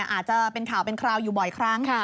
อาจจะเป็นข่าวเป็นคราวอยู่บ่อยครั้ง